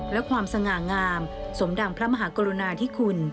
และความสง่างามสมดังพระมหากรุณาธิคุณ